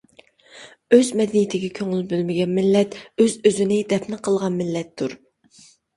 ئۆز مەدەنىيىتىگە كۆڭۈل بۆلمىگەن مىللەت، ئۆز-ئۆزىنى دەپنە قىلغان مىللەتتۇر!